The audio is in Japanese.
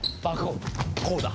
こうだ。